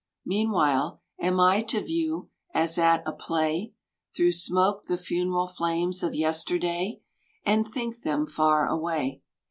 Meanwhile, am I to view, as at a play, Tlirougb smoke the funeral flames of yesterday. And think them far away?